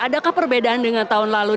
adakah perbedaan dengan tahun lalu